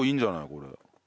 これ。